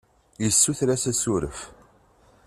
Yessuter-as asuref.